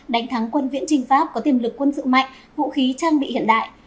đánh thắng quân viễn trình pháp có tiềm lực quân sự mạnh vũ khí trang bị hiện đại